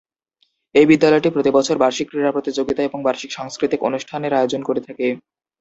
এই বিদ্যালয়টি প্রতিবছর "বার্ষিক ক্রীড়া প্রতিযোগিতা" এবং "বার্ষিক সাংস্কৃতিক অনুষ্ঠান" এর আয়োজন করে থাকে।